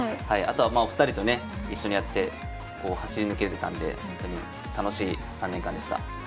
あとはまあお二人とね一緒にやってこう走り抜けれたんでほんとに楽しい３年間でした。